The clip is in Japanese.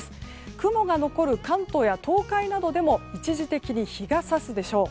雲が残る関東や東海などでも一時的に日が差すでしょう。